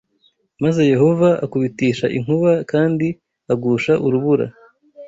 maze Yehova akubitisha inkuba kandi agusha urubura